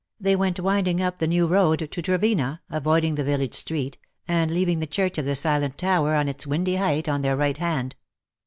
They went winding up the new road to Trevena, avoiding the village street, and leaving the Church of the Silent Tower on its windy height on their right hand.